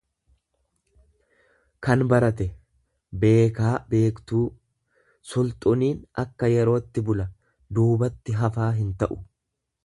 kan barate, beekaa beektuu; Sulxuniin akka yerootti bula, duubatti hafaa hinta'u.